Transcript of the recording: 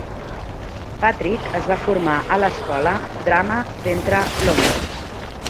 Patrick es va formar a l'escola Drama Centre London.